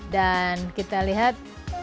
dan kita lihat